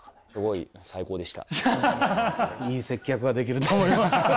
いい接客ができると思います。